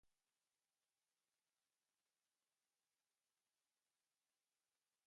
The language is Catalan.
El vint-i-tres de maig en Xavi i en Marc aniran a visitar mon oncle.